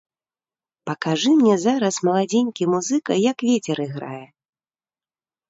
Пакажы мне зараз, маладзенькі музыка, як вецер іграе!